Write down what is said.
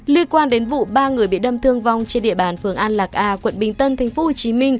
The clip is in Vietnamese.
liên quan đến vụ ba người bị đâm thương vong trên địa bàn phường an lạc a quận bình tân tp hcm